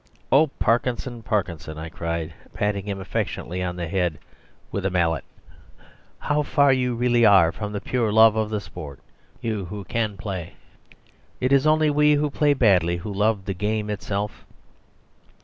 "Oh, Parkinson, Parkinson!" I cried, patting him affectionately on the head with a mallet, "how far you really are from the pure love of the sport you who can play. It is only we who play badly who love the Game itself.